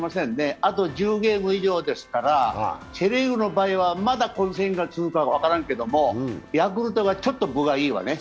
あと１０ゲーム以上ですから、セ・リーグの場合はまだ混戦が続くか分からんけども、ヤクルトがちょっと分がいいわね。